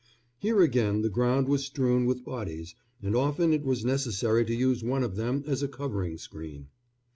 Here again the ground was strewn with bodies, and often it was necessary to use one of them as a covering screen.